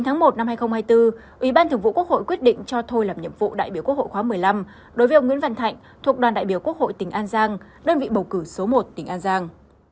tháng một mươi một hai nghìn hai mươi hai ông nguyễn văn thạnh bị ủy ban kiểm tra trung ương thi hành kỷ luật với mức cảnh cáo